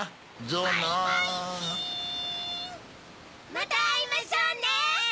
またあいましょうね。